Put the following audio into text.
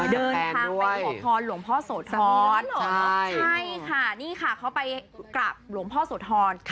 เดินทางไปขอพรหลวงพ่อโสธรใช่ค่ะนี่ค่ะเขาไปกราบหลวงพ่อโสธร